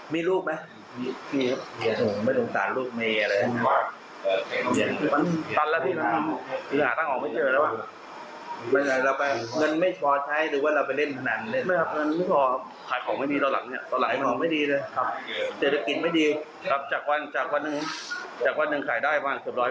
ไม่ถึงสิบแก้ววันนี้วันนึงไม่ถึงสิบแก้วจากร้อยแก้วไม่ถึงสิบ